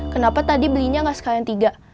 kenapa tadi belinya nggak sekalian tiga